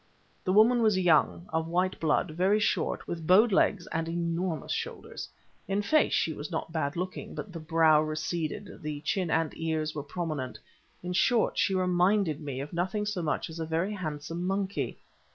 The woman was young, of white blood, very short, with bowed legs and enormous shoulders. In face she was not bad looking, but the brow receded, the chin and ears were prominent—in short, she reminded me of nothing so much as a very handsome monkey.